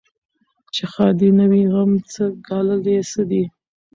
چي ښادي نه وي غم څه ګالل یې څه دي